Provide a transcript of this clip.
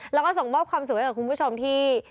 แล้วก็ส่งมอบความสุขให้กับคุณผู้ชมที่